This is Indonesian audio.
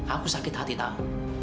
aku sakit hati tahu